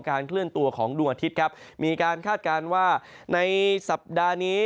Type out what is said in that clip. เคลื่อนตัวของดวงอาทิตย์ครับมีการคาดการณ์ว่าในสัปดาห์นี้